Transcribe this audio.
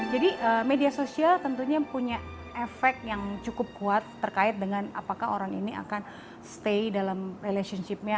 jadi media sosial tentunya punya efek yang cukup kuat terkait dengan apakah orang ini akan stay dalam relationship nya